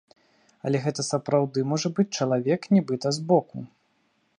Але гэта сапраўды можа быць чалавек нібыта збоку.